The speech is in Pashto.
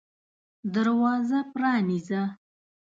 دروازه پرانیزه !